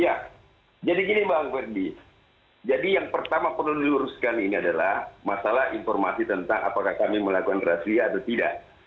ya jadi gini bang ferdi jadi yang pertama perlu diluruskan ini adalah masalah informasi tentang apakah kami melakukan razia atau tidak